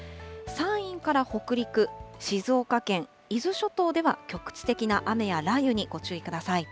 山陰から北陸、静岡県、伊豆諸島では局地的な雨や雷雨にご注意ください。